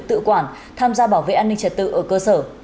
tự quản tham gia bảo vệ an ninh trật tự ở cơ sở